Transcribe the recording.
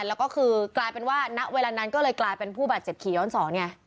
แล้วก็คือกลายเป็นว่าณเวลานั้นก็เลยกลายเป็นผู้บาดเจ็บขี่ย้อนสอนไง